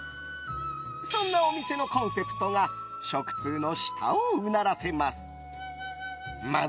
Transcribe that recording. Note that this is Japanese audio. そんなお店のコンセプトが食通の舌をうならせます。